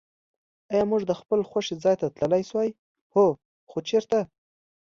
آیا موږ د خپل خوښي ځای ته تللای شوای؟ هو. خو چېرته؟